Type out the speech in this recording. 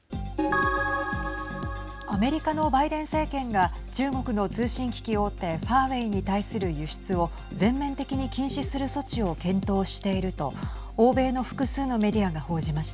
アメリカのバイデン政権が中国の通信機器大手ファーウェイに対する輸出を全面的に禁止する措置を検討していると欧米の複数のメディアが報じました。